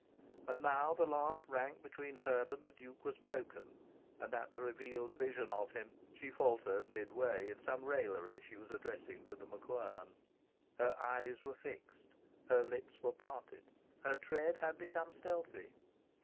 And now the last rank between her and the Duke was broken, and at the revealed vision of him she faltered midway in some raillery she was addressing to The MacQuern. Her eyes were fixed, her lips were parted, her tread had become stealthy.